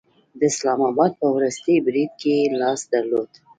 د اسلام آباد په وروستي برید کې یې لاس درلود